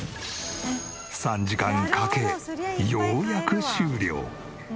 ３時間かけようやく終了。